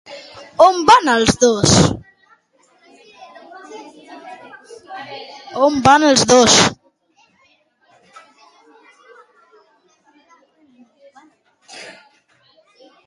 On van els dos?